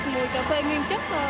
mùi cà phê nguyên chất thơm